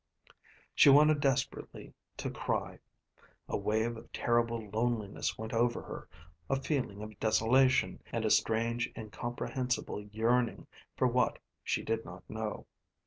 She wanted desperately to cry. A wave of terrible loneliness went over her, a feeling of desolation, and a strange, incomprehensible yearning for what she did not know.